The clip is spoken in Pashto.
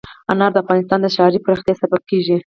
انار د افغانستان د ښاري پراختیا سبب کېږي.